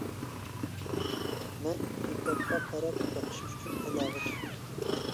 مەن پىكاپقا قاراپ بېقىش ئۈچۈن تالاغا چىقتىم.